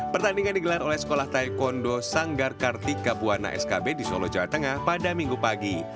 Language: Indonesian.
pertandingan digelar oleh sekolah taekwondo sanggar kartika buana skb di solo jawa tengah pada minggu pagi